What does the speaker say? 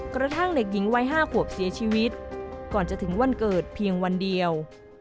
กระทั่งเด็กหญิงวัย๕ขวบเสียชีวิตก่อนจะถึงวันเกิดเพียงวันเดียว